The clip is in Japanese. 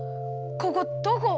ここどこ！？